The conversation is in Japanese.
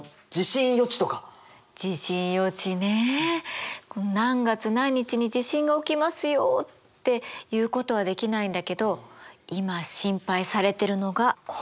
地震予知ね何月何日に地震が起きますよっていうことはできないんだけど今心配されてるのがここ。